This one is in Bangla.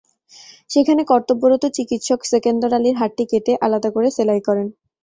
সেখানে কর্তব্যরত চিকিত্সক সেকেন্দর আলীর হাতটি কেটে আলাদা করে সেলাই করেন।